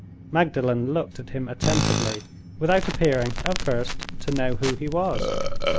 Magdalen looked at him attentively, without appearing, at first, to know who he was.